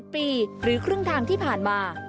ปีหรือครึ่งทางที่ผ่านมา